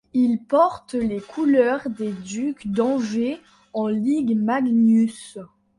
Il porte les couleurs des Ducs d'Angers en Ligue Magnus.